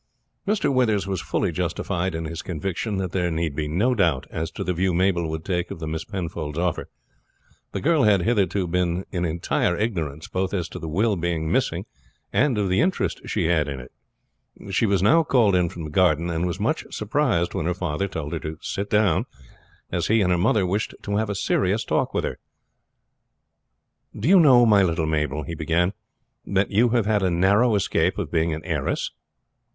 Mr. Withers was fully justified in his conviction that there need be no doubt as to the view Mabel would take of the Miss Penfold's offer. The girl had hitherto been in entire ignorance both as to the will being missing, and of the interest she had in it. She was now called in from the garden, and was much surprised when her father told her to sit down, as he and her mother wished to have a serious talk with her. "Do you know, my little Mabel," he began, "that you have had a narrow escape of being an heiress?"